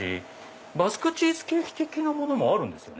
バスクチーズケーキ的なものもあるんですよね？